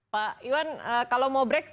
pak iwan kalau mau brex